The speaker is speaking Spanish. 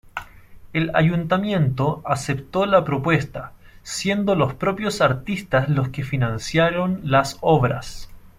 El Ayuntamiento aceptó la propuesta, siendo los propios artistas los que financiaron las obras.